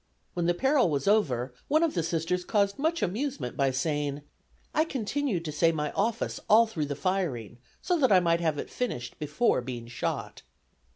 When all peril was over one of the Sisters caused much amusement by saying "I continued to say my office all through the firing, so that I might have it finished before being shot."